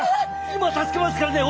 今助けますからね。